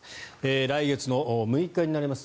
来月の６日になります